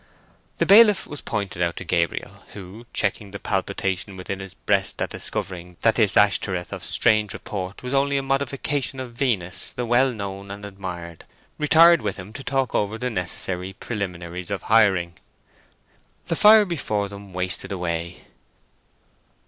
The bailiff was pointed out to Gabriel, who, checking the palpitation within his breast at discovering that this Ashtoreth of strange report was only a modification of Venus the well known and admired, retired with him to talk over the necessary preliminaries of hiring. The fire before them wasted away.